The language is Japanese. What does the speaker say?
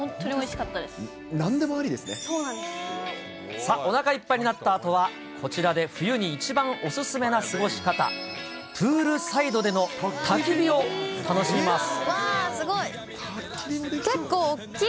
さあ、おなかいっぱいになったあとは、こちらで冬に一番お勧めな過ごし方、プールサイドでのわー、すごい！結構大きい。